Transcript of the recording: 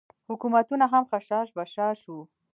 حکومتونه هم خشاش بشاش وو.